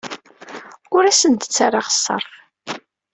Ur asen-d-ttarraɣ ṣṣerf.